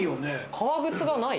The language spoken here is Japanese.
革靴がない？